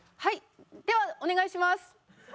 ではお願いします。